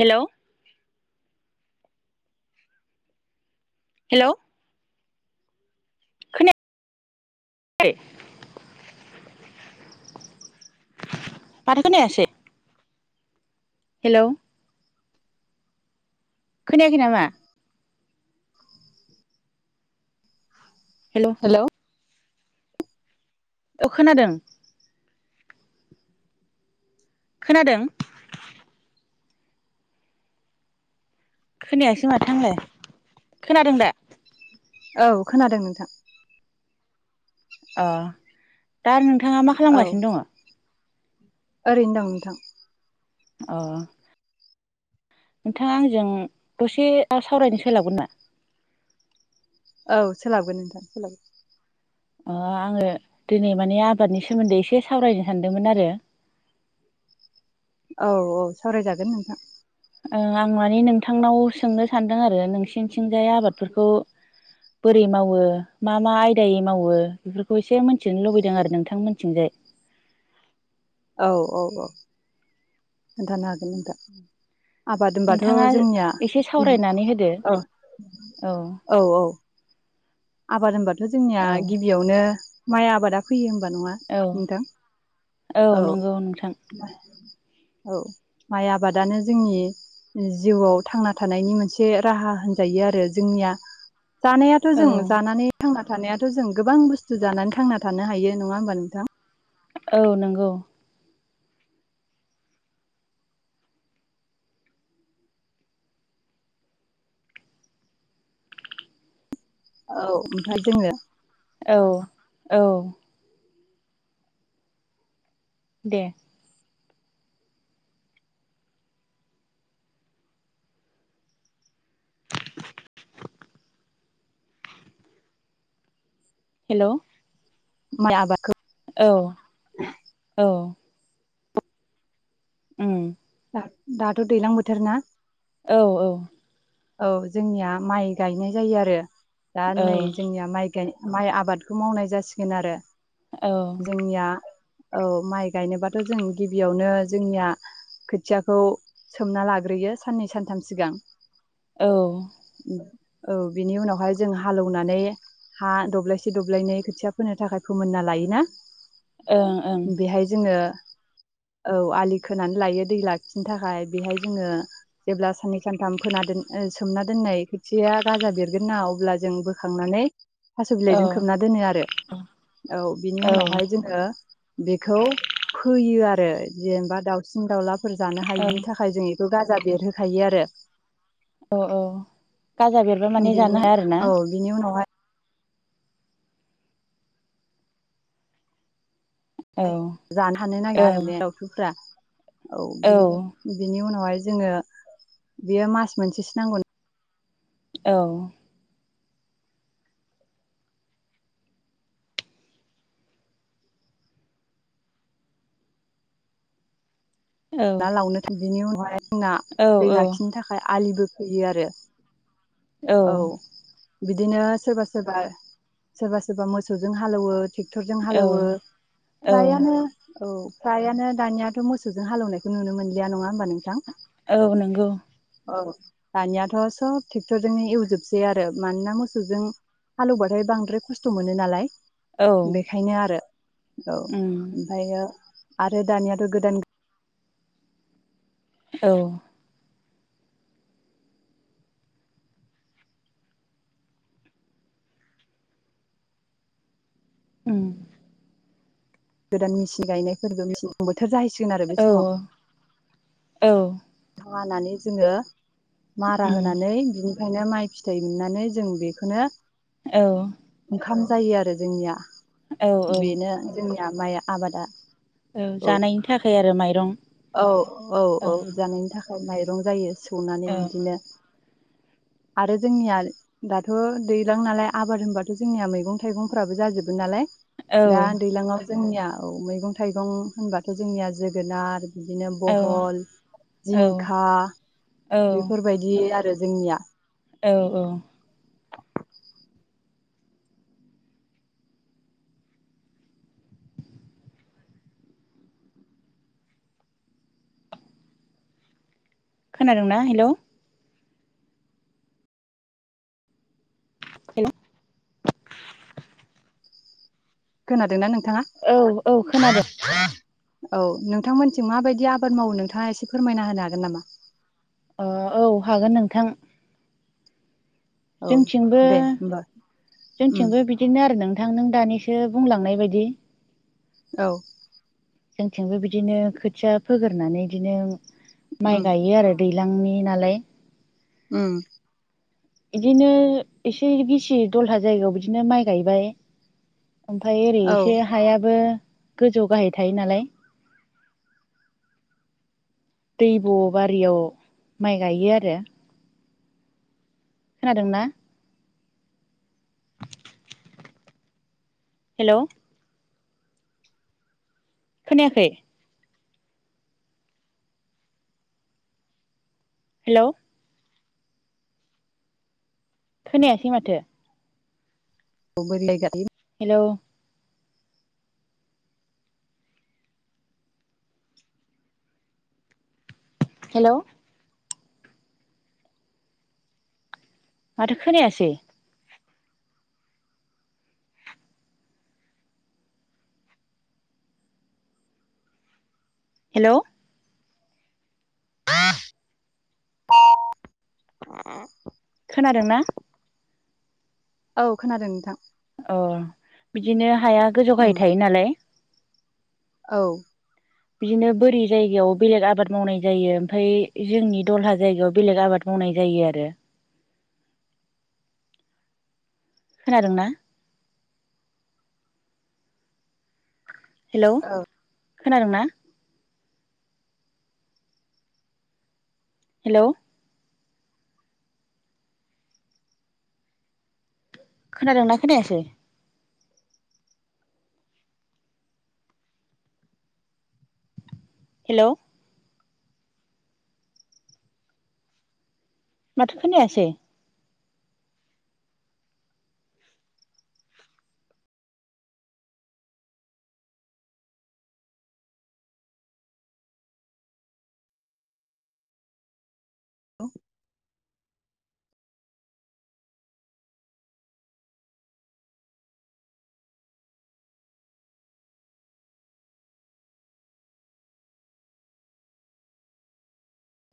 हेल' hello खोनाया खै? माथो खोनायासै! हेल' खोनायाखै नामा? हेलौ हेल' ओ खोनादों। खोनादों। खोनायासै माथोआंलाय खोनादों दा? औ खोनादों नोंथां। अह दा नोंथाङा मा औ खालामगासिनो दङ'? ओरैनो दं नोंथां। अह नोंथाङा आंजों दसे सावरायनो सोलाबगोन ना? औ सोलाबगोन नोंथां सोलाबगोन। ओ आङो दिनै माने आबादनि सोमोन्दै एसे सावरायनो सानदोंमोन आरो। [inaudible] औ औ सावरायजागोन नोंथां। आं माने नोंथांनाव सोंनो सानदों आरो नोंसिनिथिंजाय आबादफोरखौ बोरै मावो मा मा आयदायै मावो बेफोरखौ एसे मिथिनो लुबैदों आरो नोंथां मोनथिंजाय [inaudible] औ औ औ। खोनथानो हागोन नोंथां। आबाद होनबाथ' नोंथाङा जोंनिया एसे सावरायनानै होदो औ औ औ औ आबाद होनबाथ' जोंनिया औ गिबियावनो माइ आबादा फैयो। नङा औ नोंथां औ। नंगौ नोंथां औ माइ आबादानो जोंनि जिउआव थांना थानायनि मोनसे राहा होनजायो आरो जोंनिया। जानायाथ' औ जों जानानै थांना थानायाथ' जों गोबां बुस्थु जानानै थांना थानो हायो नङा होमबा नोंथां? औ नंगौ। औ ओमफ्राय जोङो औ औ। दे। [inaudible] हेलौ। माइ आबादखौ औ औ। उम। दा दाथ' दैलां बोथोर ना। औ औ। औ जोंनिया माइ गायनाय जायो आरो दा औ नै जोंनिया माइ गाय माइ आबादखौ मावनाय जासिगोन आरो औ जोंनिया। औ माइ गायनोबाथ' जों गिबियावनो जोंनिया खोथियाखौ सोमना लाग्रोयो साननै सानथाम सिगां। औ। औ बिनि उनावहाय जों हालौनानै हा दब्लायसे दब्लायनै खोथिया फोनो थाखाय फोमोनना लायोना। औ बेहाय जोङो औ आलि खोनानै लायो दै लाखिनो थाखाय बेहाय जोङो जेब्ला साननै सानथाम फोना दोन सोमना दोननाय खोथिया गाजा बेरगोन ना अब्ला जों बोखांनानै थास' बिलाइजों खोबना दोनो आरो औ बिनि उनावहाय जोङो बेखौ फोयो आरो जेनेबा दाावसिन दाउलाफोर जानो हायिनि थाखाय जोंङो बेखौ गाजा बेरहोखायो आरो। औ औ गाजा बेरबा [inaudible] माने जानो बिनि हाया आरोना औ बिनि उनावहाय औ हाय जानो हानो नाङा औ आरो बे दावथुफ्रा औ बिनि उनावहाय जोङो बेयो मास मोनसेसो नांगौ। औ। औ ना लावनो थों बिनि उनावाय जोंना दै औ लाखिनो थाखाय आलिबो खोयो आरो। औ। बिदिनो सोरबा सोरबा सोरबा सोरबा मोसौजों हालौवो। ट्रेक्टरजों औ हालौवो औ फ्रायानो औ फ्रायानो दानियाथ' मोसौजों हालौनाय बे नुनो मोनलिया नङा होनबा नोंथां। औ नंगौ। औ दानियाथ' सब ट्रेक्टरजों एवजोबसै आरो मानोना मोसौजों हालौबाथाय बांद्राय खस्थ' मोनो नालाय औ बेखायनो आरो औ उम ओमफायो आरो दानियाथ' गोदान औ। उम। गोदान मेचिन गायनायफोरबो मेसें बोथोर जाहैसिगोन आरो बे औ समाव। औ हानानै जोङो मारा उम होनानै बिनि खायनो माइ फिथाइ मोननानै जों बेखौनो औ। ओंखाम जायो आरो जोंनिया औ औ बेनो जोंनिया माइ आबादा। औ जानायनि थाखाय आरो माइरं औ औ औ। जानायनि थाखाय माइरं जायो सौनानै औ बिदिनो [unintelligible] आरो जोंनिया दाथ' दैलां नालाय आबाद होनबाथ' जोंनिया मैगं थाइगंफ्राबो जाजोबो नालाय औ दा दैलाङाव जोंनिया औ मैगं थाइगं होनबाथ' जोंनिया जोगोनार, बिदिनो बहल औ जिंखा औ बेफोरबायदि बे आरो जोंनिया। औ औ। खोनादोंना हेलौ हेल खोनादोंना नोंथाङा? औ औ खोनादों औ नोंथांमोनसिम माबायदि आबाद मावो नोंथाङा एसे फोरमायना होनो हागोन नामा? अ औ हागोन नोंथां। औ जोंथिंबो दे होमबा उम जोंथिंबो बिदिनो आरो नोंथां थां नों दानिसो बुंलांनाय बायदि औ। जोंथिंबो बिदिनो खोथिया फोगोरनानै बिदिनो माइ उम गायो आरो दै दैलांनि नालाय उम। बिदिनो एसे गिसि दलहा जायगायाव बिदिनो माइ गायबाय ओमफ्राय ओरै औ एसे हायाबो गोजौ गाहाय थायो नालाय दै ब' बारियाव माइ गायो आरो। खोनादोंना? हेलौ खोनायाखै? हेलौ खोनायासै माथो? [unintelligible] हेलौ हेलौ माथो खोनायासै? हेलौ [unintelligible] खोनादों ना? औ खोनादों नोंथां। अ बिदिनो हाया गोजौ गाहाय उम थायो नालाय औ। बिदिनो बोरि जायगायाव बेलेग आबाद मावनाय जायो ओमफाय जोंनि दलहा जायगायाव बेलेग आबाद मावनाय मावनाय जायो आरो। खोनादोंना? हेलौ खोनादोंना? हेलौ खोनादोंना खोनायासै? हेलौ माथो खोनायासै औे